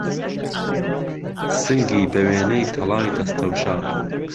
سنگی به وێنەی تەڵای دهستهوشار